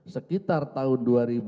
sekitar tahun dua ribu dua